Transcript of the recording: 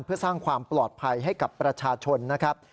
เพื่อสร้างความปลอดภัยให้กับประชาชนนะครับ